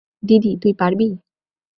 দিদি, তুই পারবি?